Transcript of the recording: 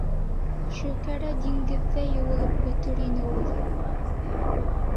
—Шөкәрә диңгеҙҙә йыуылып бөтөр ине ул...